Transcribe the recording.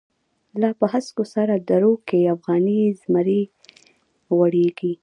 لا په هسکو سر درو کی، افغانی زمری غوریږی